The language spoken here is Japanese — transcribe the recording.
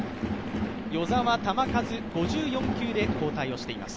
與座は球数５４球で交代をしています。